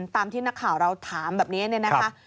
ตามที่นักข่าวเราถามแบบนี้เนี่ยนะคะ